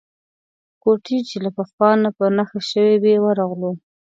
کوټې چې له پخوا نه په نښه شوې وې ورغلو.